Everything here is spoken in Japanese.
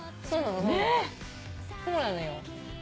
そうなのよ。